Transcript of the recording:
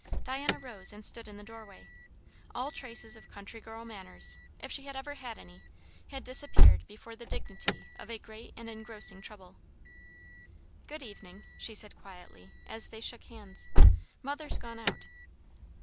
Diana rose and stood in the doorway; all traces of country girl manners, if she had ever had any, had disappeared before the dignity of a great and engrossing trouble. "Good evening!" she said quietly, as they shook hands. "Mother's gone out."